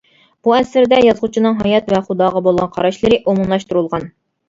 بۇ ئەسىرىدە، يازغۇچىنىڭ ھايات ۋە خۇداغا بولغان قاراشلىرى ئومۇملاشتۇرۇلغان.